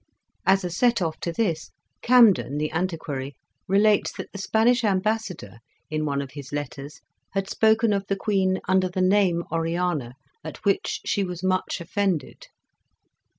As a set off to this, Camden, the Antiquary, relates that the Spanish Ambassador, in one of his letters, had spoken of the Queen " under the name of Oriana, at which she was much offended."